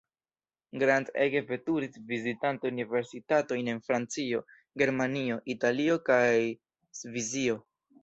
Grant ege veturis, vizitante universitatojn en Francio, Germanio, Italio kaj Svisio.